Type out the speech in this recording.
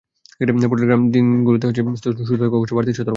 গরমের দিনগুলোতে সুস্থ থাকার জন্য অবশ্যই বাড়তি সতর্কতা গ্রহণ করতে হবে।